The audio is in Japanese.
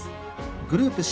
グループＣ